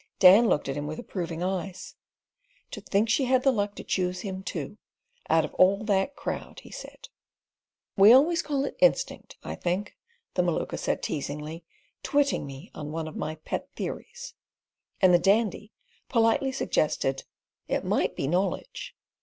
Dan looked at him with approving eyes. "To think she had the luck to choose him too, out of all that crowd," he said. "We always call it instinct, I think," the Maluka said teasingly, twitting me on one of my pet theories, and the Dandy politely suggested "It might be knowledge.